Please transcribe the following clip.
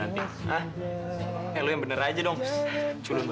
aku kasih perolahan dahulu